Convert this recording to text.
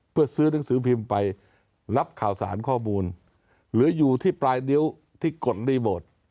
เพื่อซื้อหนังสือพิมพ์ไปรับข่าวสารข้อมูลเหลืออยู่ที่ปลายนิ้วที่กดรีโมท